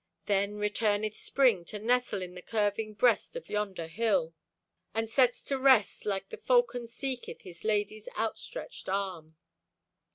Then returneth Spring To nestle in the curving breast of yonder hill, And sets to rest like the falcon seeketh His lady's outstretched arm.